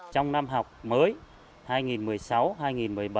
trong năm học mới